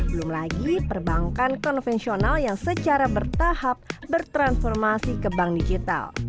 belum lagi perbankan konvensional yang secara bertahap bertransformasi ke bank digital